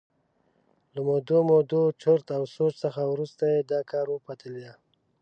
له مودو مودو چرت او سوچ څخه وروسته یې دا کار وپتېله.